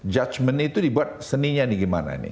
judgement itu dibuat seninya nih gimana nih